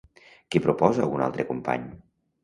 Què proposa un altre company?